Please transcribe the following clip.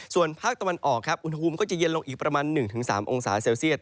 ส่วนภาคตะวันออกครับอุณหภูมิก็จะเย็นลงอีกประมาณ๑๓องศาเซลเซียต